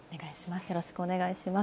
よろしくお願いします。